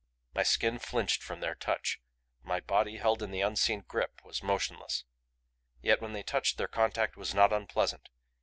My skin flinched from their touch; my body, held in the unseen grip, was motionless. Yet when they touched their contact was not unpleasant.